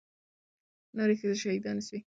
نورې ښځې شهيدانې سوې.